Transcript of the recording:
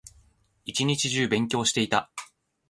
一日中勉強していた